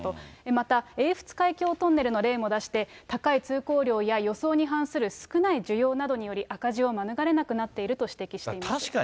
また英仏海峡トンネルの例も出して、高い通行料や予想に反する少ない需要などにより、赤字を免れなくなっていると指摘しているということです。